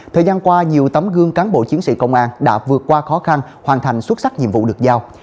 thời gian qua nhiều tấm gương cán bộ chiến sĩ công an đã vượt qua khó khăn hoàn thành xuất sắc nhiệm vụ được giao